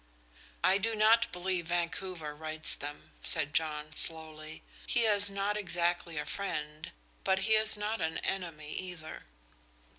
"I do not believe Vancouver writes them," said John, slowly. "He is not exactly a friend, but he is not an enemy either."